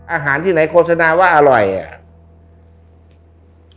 อาหารที่ไหนโฆษณาว่าอร่อยอ่ะ